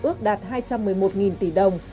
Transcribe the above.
ước đạt hai trăm một mươi một tỷ đồng